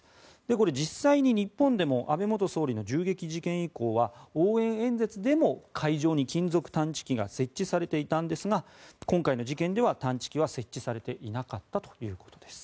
これ、実際に日本でも安倍元総理の銃撃事件以降は応援演説でも会場に金属探知機が設置されていたんですが今回の事件では探知機は設置されていなかったということです。